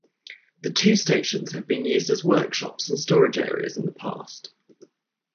The two stations have been used as workshops and storage areas in the past.